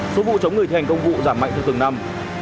số vụ chống người thi hành công vụ giảm mạnh theo từng năm